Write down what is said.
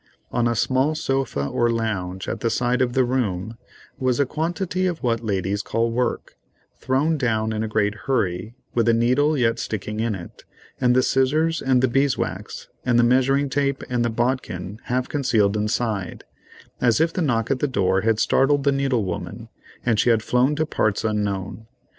On a small sofa or lounge at the side of the room was a quantity of what ladies call "work," thrown down in a great hurry, with the needle yet sticking in it, and the scissors, and the beeswax, and the measuring tape, and the bodkin half concealed inside, as if the knock at the door had startled the needle woman, and she had flown to parts unknown.